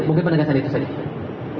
mungkin penegasan itu saja